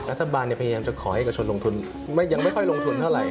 รัฐบาลพยายามจะขอเอกชนลงทุนยังไม่ค่อยลงทุนเท่าไหร